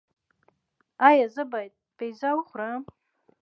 ایا زه باید پیزا وخورم؟